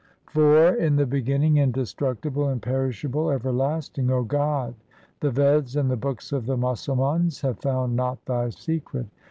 IV In the beginning, indestructible, imperishable, ever lasting :— O God, the Veds and the books of the Musalmans have found not Thy secret.